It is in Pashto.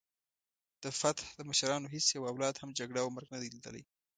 د فتح د مشرانو هیڅ یوه اولاد هم جګړه او مرګ نه دی لیدلی.